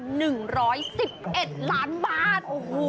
โอ้โหยอดเยอะมาก